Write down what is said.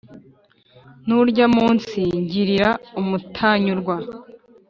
n’urya munsi ngirira umutanyurwa